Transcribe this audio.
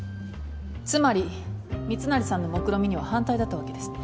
つまり密成さんのもくろみには反対だったわけですね。